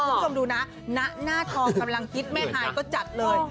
คุณผู้ชมดูนะณหน้าทองกำลังฮิตแม่ฮายก็จัดเลย